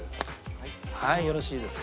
はいよろしいですか？